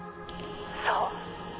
そう。